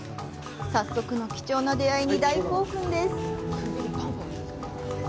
早速の貴重な出会いに大興奮です！